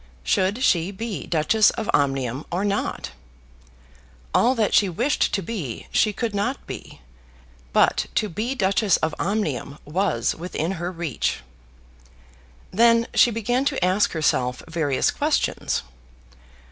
Should she be Duchess of Omnium or not? All that she wished to be, she could not be; but to be Duchess of Omnium was within her reach. Then she began to ask herself various questions.